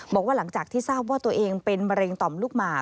บอกว่าหลังจากที่ทราบว่าตัวเองเป็นมะเร็งต่อมลูกหมา